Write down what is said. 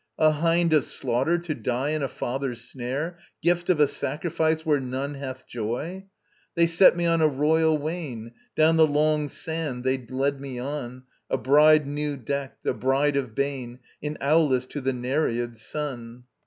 A hind of slaughter to die in a father's snare, Gift of a sacrifice where none hath joy. They set me on a royal wane; Down the long sand they led me on, A bride new decked, a bride of bane, In Aulis to the Nereid's son.